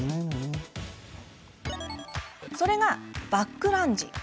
それがバックランジ。